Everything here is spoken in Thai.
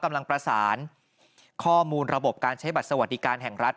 กำลังประสานข้อมูลระบบการใช้บัตรสวัสดิการแห่งรัฐ